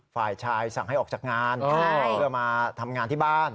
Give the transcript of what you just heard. ฝ่ายชายสั่งให้ออกจากงานเพื่อมาทำงานที่บ้าน